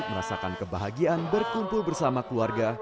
merasakan kebahagiaan berkumpul bersama keluarga